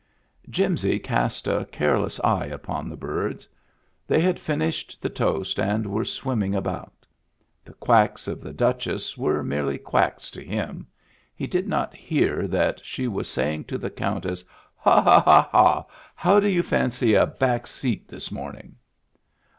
Jimsy cast a careless eye upon the birds. They had finished the toast and were swimming about The quacks of the Duchess were merely quacks to him; he did not hear that she was saying to the Countess: "Hah, Hah, Hah! How do you fancy a back seat this morning?"